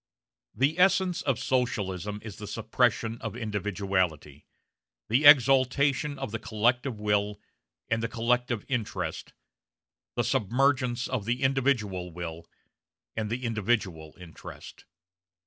The essence of Socialism is the suppression of individuality, the exaltation of the collective will and the collective interest, the submergence of the individual will and the individual interest.